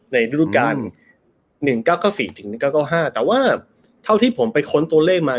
ในรุ่นการ๑๙๙๔๑๙๙๕ครับแต่ว่าเท่าที่ผมไปค้นตัวเลขมา